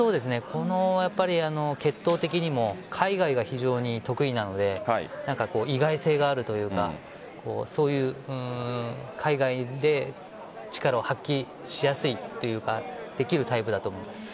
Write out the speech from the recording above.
この血統的にも海外が非常に得意なので意外性があるというか海外で力を発揮しやすいというかできるタイプだと思います。